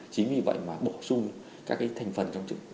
chính vì vậy mà bổ sung các thành phần trong trường hợp